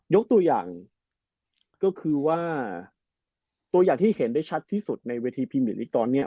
ยกตัวอย่างก็คือว่าตัวอย่างที่เห็นได้ชัดที่สุดในเวทีพรีเมตลิกตอนนี้